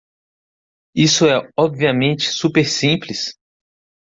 Isso é obviamente super simples?